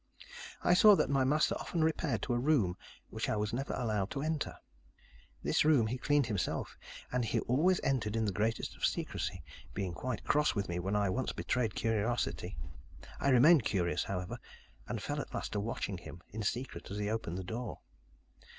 "I saw that my master often repaired to a room which I was never allowed to enter. This room he cleaned himself. And he always entered in the greatest of secrecy, being quite cross with me when I once betrayed curiosity. I remained curious, however, and fell at last to watching him in secret as he opened the door.